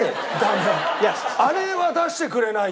あれは出してくれないと。